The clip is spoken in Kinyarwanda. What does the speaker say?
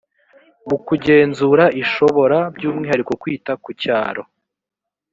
mu kugenzura ishobora by’umwihariko kwita ku cyaro